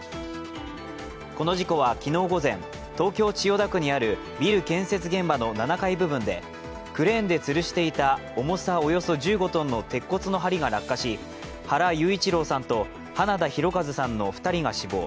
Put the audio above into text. この事故は昨日午前、東京・千代田区にあるビル建設現場の７階部分でクレーンでつるしていた重さおよそ１５ｔの鉄骨のはりが落下し原裕一郎さんと花田大和さんの２人が死亡。